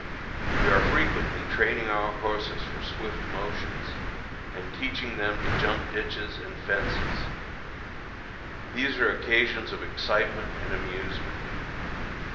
We are frequently training our horses for swift motions, and teaching them to jump ditches and fences. These are occasions of excitement and amusement.